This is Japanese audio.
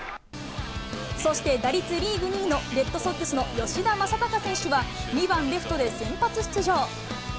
そして打率リーグ２位のレッドソックスの吉田正尚選手は、２番レフトで先発出場。